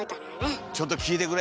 「ちょっと聴いてくれ」